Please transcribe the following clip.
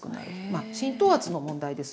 浸透圧の問題ですよね。